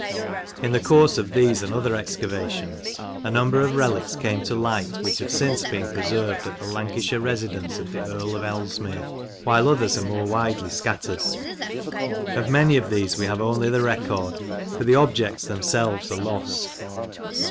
In the course of these and other excavations a number of relics came to light which have since been preserved at the Lancashire residence of the Earl of Ellesmere, while others are more widely scattered. Of many of these we have only the record, for the objects themselves are lost.